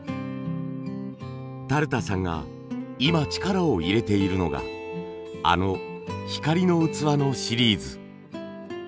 田さんが今力を入れているのがあの光の器のシリーズ。